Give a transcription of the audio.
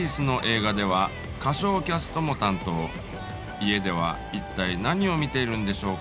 家では一体何を見ているんでしょうか？